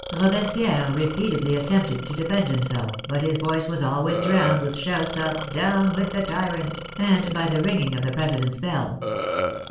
Robespierre repeatedly attempted to defend himself, but his voice was always drowned with shouts of " Down with the tyrant !" and by the ringing of the President's bell.